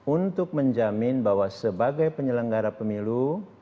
untuk menjamin bahwa sebagai penyelenggara pemilu